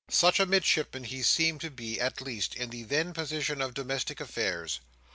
Such a Midshipman he seemed to be, at least, in the then position of domestic affairs.